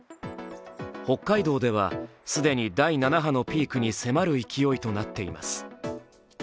北海道では既に第７波のピークに迫る勢いとなっています。